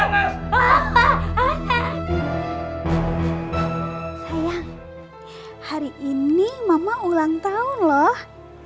hahaha sayang hari ini mama ulang tahun loh